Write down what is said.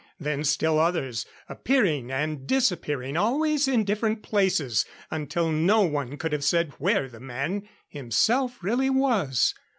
Then still others appearing and disappearing, always in different places, until no one could have said where the man himself really was.